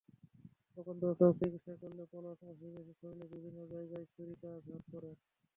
তখন ব্যবস্থাপক চিৎকার করলে পলাশ, আসিফ এসে শরীরের বিভিন্ন জায়গায় ছুরিকাঘাত করেন।